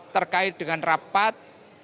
terkait dengan rapat